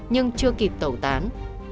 nhưng chưa kịp tẩu tán